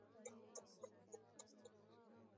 خو تاسو په كي ننوځئ